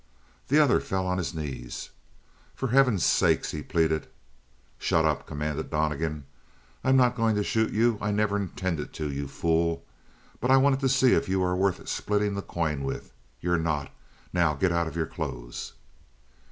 The other fell on his knees. "For heaven's sake," he pleaded. "Shut up," commanded Donnegan. "I'm not going to shoot you. I never intended to, you fool. But I wanted to see if you were worth splitting the coin with. You're not. Now get out of your clothes."